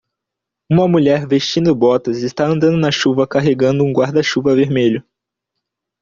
Uma mulher vestindo botas está andando na chuva carregando um guarda-chuva vermelho.